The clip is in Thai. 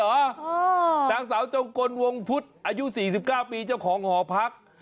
นางสาวจงกลวงพุทธอายุ๔๙ปีเจ้าของหอพัก